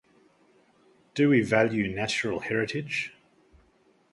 Do we value natural heritage?